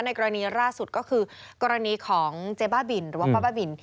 กรณีล่าสุดก็คือกรณีของเจ๊บ้าบินหรือว่าป้าบ้าบิน